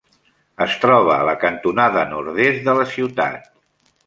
Es troba a la cantonada nord-est de la ciutat.